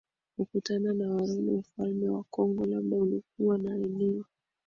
kukutana na Wareno Ufalme wa Kongo labda ulikuwa na eneo